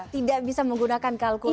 tidak bisa menggunakan kalkulator